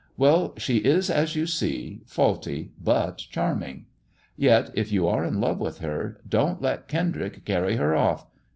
Well, she is as you see — ^faulty, but charming. Yet, if you are in love with her, don't let Kendrick carry her off.